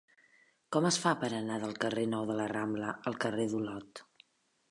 Com es fa per anar del carrer Nou de la Rambla al carrer d'Olot?